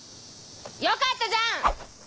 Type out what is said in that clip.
よかったじゃん！